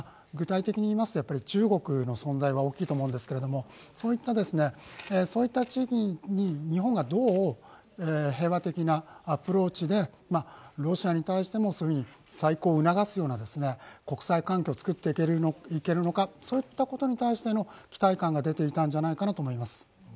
具体的にいいますと中国の存在は大きいと思うんですけれども、そういった地域に日本がどう平和的なアプローチでロシアに対しても再考を促すような国際関係を作っていくのかそういったことに対しての期待感が出ていたんじゃないかなと思います。